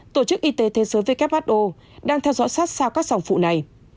tổ chức y tế thế giới đang theo dõi sát sao các sòng phụ này